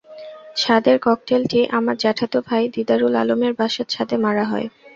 ছাদের ককটেলটি আমার জেঠাতো ভাই দিদারুল আলমের বাসার ছাদে মারা হয়।